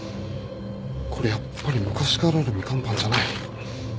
これやっぱり昔からのみかんパンじゃない。